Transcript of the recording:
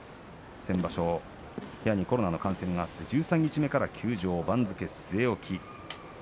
先場所、部屋にコロナの感染があって十三日目から休場でした。